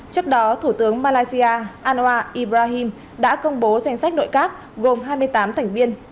trước đó thủ tướng malaysia anwa ibrahim đã công bố danh sách nội các gồm hai mươi tám thành viên